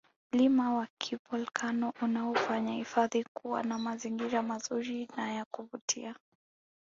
mlima wa kivolkano unaofanya hifadhi kuwa na mazingira mazuri na yakuvutia